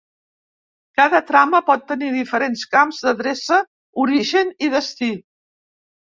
Cada trama pot tenir diferents camps d'adreça origen i destí.